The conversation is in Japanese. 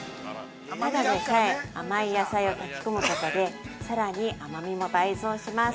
ただでさえ甘い野菜を炊き込むことで、さらに甘みも倍増します。